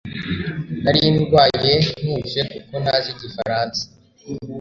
Nari ndwaye ntuje kuko ntazi igifaransa